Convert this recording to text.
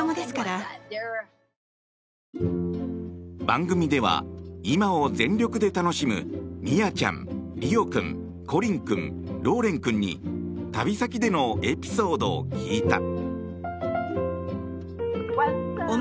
番組では、今を全力で楽しむミアちゃん、リオ君コリン君、ローレン君に旅先でのエピソードを聞いた。